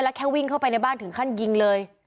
แล้วแค่วิ่งเข้าไปในบ้านถึงขั้นยิงเลย